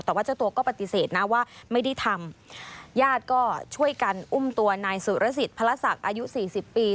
แต่ว่าเจ้าตัวก็ปฏิเสธนะว่าไม่ได้ทำญาติก็ช่วยกันอุ้มตัวนายสุรสิทธิพระศักดิ์อายุสี่สิบปี